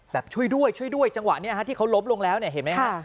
ช่วยด้วยช่วยด้วยจังหวะนี้ที่เขาล้มลงแล้วเนี่ยเห็นไหมฮะ